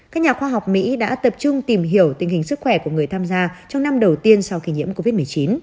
các nhà khoa học mỹ đã tập trung tìm hiểu tình hình sức khỏe của người tham gia trong năm đầu tiên sau khi nhiễm covid một mươi chín